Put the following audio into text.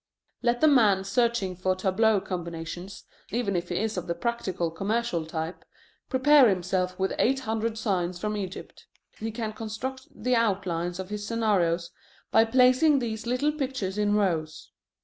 Let the man searching for tableau combinations, even if he is of the practical commercial type, prepare himself with eight hundred signs from Egypt. He can construct the outlines of his scenarios by placing these little pictures in rows.